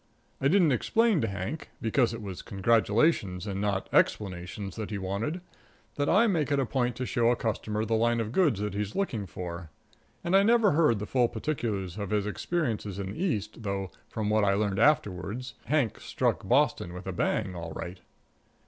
I didn't explain to Hank, because it was congratulations and not explanations that he wanted, and I make it a point to show a customer the line of goods that he's looking for. And I never heard the full particulars of his experiences in the East, though, from what I learned afterward, Hank struck Boston with a bang, all right.